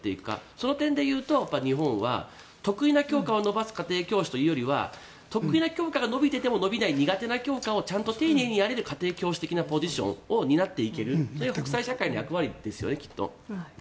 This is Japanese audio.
その点でいうと日本は得意な教科を伸ばす家庭教師というよりは得意な教科が伸びていても伸びない苦手教科をちゃんと丁寧にやれる家庭教師的なポジションを担っていけるという国際社会の役割ですよね。